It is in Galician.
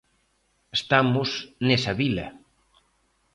Estamos nesa vila.